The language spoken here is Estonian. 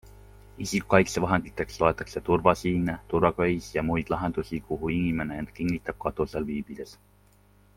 Isikukaitsevahenditeks loetakse turvasiine, turvaköisi jm. lahendusi kuhu inimene end kinnitab katusel viibides.